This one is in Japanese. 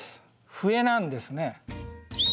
笛なんですね。